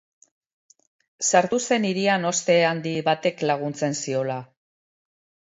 Sartu zen hirian oste handi batek laguntzen ziola.